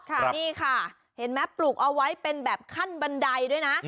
นี่ค่ะเห็นไหมปลูกเอาไว้เป็นแบบขั้นบันไดด้วยนะ